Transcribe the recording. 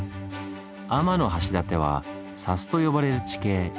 天橋立は「砂州」と呼ばれる地形。